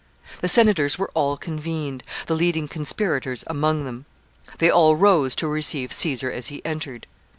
The senators were all convened, the leading conspirators among them. They all rose to receive Caesar as he entered.